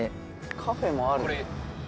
カフェもある。